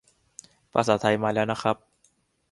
ภาษาไทยมาแล้วนะครับ